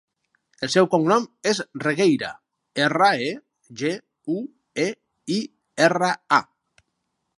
El seu cognom és Regueira: erra, e, ge, u, e, i, erra, a.